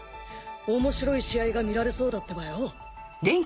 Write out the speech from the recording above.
おもしろい試合が見られそうだってばよ。